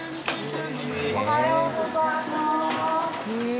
おはようございます。